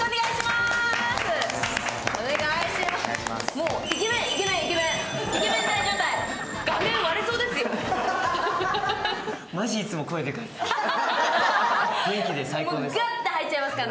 もうガっと入っちゃいますから。